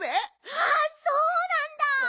あそうなんだ！